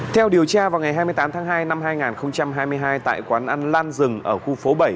theo điều tra vào ngày hai mươi tám tháng hai năm hai nghìn hai mươi hai tại quán ăn lan rừng ở khu phố bảy